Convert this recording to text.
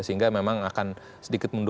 sehingga memang akan sedikit mundur